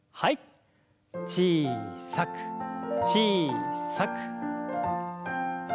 小さく小さく。